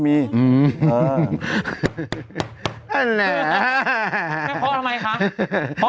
แม่คอทำไมคะ